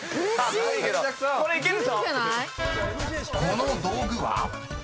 ［この道具は？］